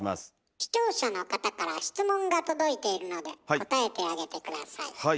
視聴者の方から質問が届いているので答えてあげて下さい。